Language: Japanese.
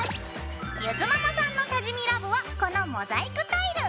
ゆづママさんの多治見ＬＯＶＥはこのモザイクタイル！